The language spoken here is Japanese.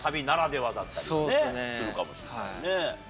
だったりするかもしれないね。